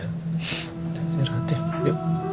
udah besi rata ya